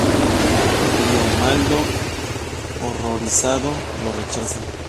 Grimoaldo, horrorizado, lo rechaza.